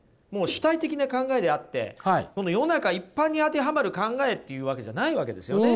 主体的な考えであって世の中一般に当てはまる考えっていうわけじゃないわけですよね。